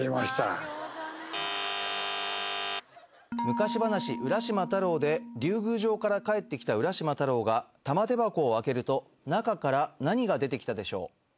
昔話「浦島太郎」で竜宮城から帰ってきた浦島太郎が玉手箱を開けると中から何が出てきたでしょう？